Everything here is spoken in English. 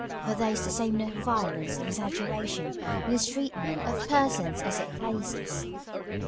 (For there is the same note of violence, of exaggeration, in his treatment of persons as of places.)